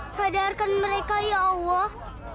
sadarkan mereka ya allah